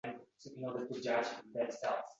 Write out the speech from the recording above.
Yaxshilarning mehri unutilmas lekin.